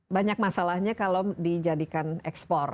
banyak masalahnya kalau dijadikan ekspor